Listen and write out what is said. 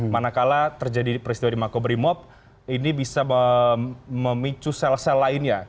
manakala terjadi peristiwa di makobrimob ini bisa memicu sel sel lainnya